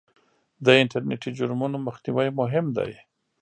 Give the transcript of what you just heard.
د انټرنېټي جرمونو مخنیوی مهم دی.